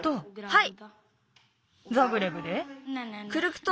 はい。